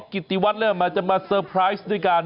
หมอกิตติวัตรว่ายังไงบ้างมาเป็นผู้ทานที่นี่แล้วอยากรู้สึกยังไงบ้าง